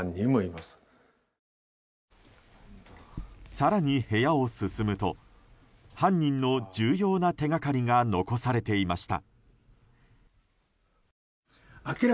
更に部屋を進むと犯人の重要な手掛かりが残されていました。